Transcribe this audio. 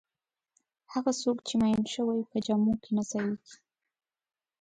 هغه څوک چې میین شوی په جامو کې نه ځایېږي.